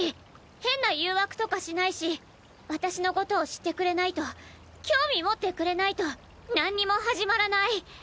変な誘惑とかしないし私のことを知ってくれないと興味持ってくれないとなんにも始まらない。